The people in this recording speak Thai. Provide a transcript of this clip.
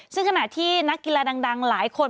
ซึ่งขณะที่นักกีฬาดังหลายคน